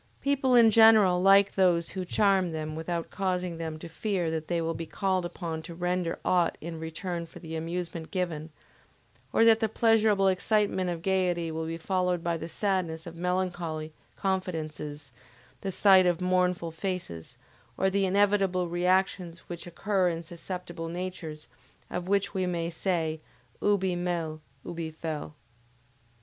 People in general like those who charm them without causing them to fear that they will be called upon to render aught in return for the amusement given, or that the pleasurable excitement of gayety will be followed by the sadness of melancholy confidences the sight of mournful faces, or the inevitable reactions which occur in susceptible natures of which we may say: Ubi mel, ibi fel.